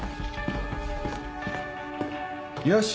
よし。